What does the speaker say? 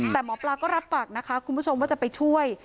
แต่หมอปลาก็รับปากนะคะคุณผู้ชมว่าจะไปช่วย